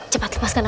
cepat lepaskan aku